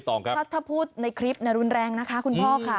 ถ้าพูดในคลิปรุนแรงนะคะคุณพ่อค่ะ